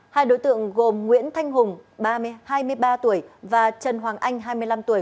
hai đối tượng gồm nguyễn thanh hùng hai mươi ba tuổi và trần hoàng anh hai mươi năm tuổi